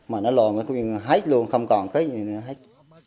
mà nó lồn hết luôn không còn cái gì nữa hết